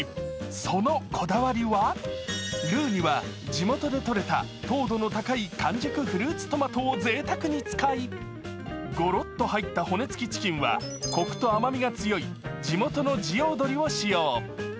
そのこだわりは、ルーには地元でとれた糖度の高い完熟フルーツトマトをぜいたくに使い、ごろっと入った骨付きチキンはコクと甘みが強い地元の地養鶏を使用。